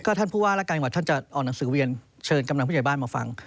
ก็ท่านผู้ว่าและการจัดออกหนังสือเวียนเชิญกำหนังผู้ใหญ่บ้านมาฟัง